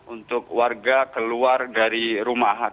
untuk warga keluar dari rumah